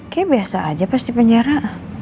kayak biasa aja pas di penjara